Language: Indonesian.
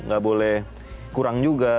gak boleh kurang juga